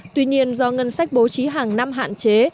tuy nhiên do ngân sách bố trí hàng năm hạn chế